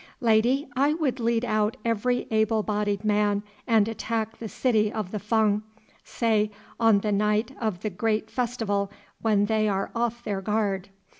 "Lady, I would lead out every able bodied man and attack the city of the Fung, say, on the night of the great festival when they are off their guard.